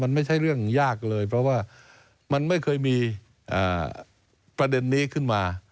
มันไม่ใช่เรื่องยากเลยเพราะว่ามันไม่เคยมีประเด็นนี้ขึ้นมา